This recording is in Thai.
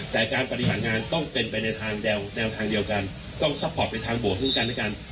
แต่การปฏิบัติงานต้องเป็นไปในทางแนวทางเดียวกันต้องซัพพอร์ตเป็นทางบวกซึ่งกันด้วยกัน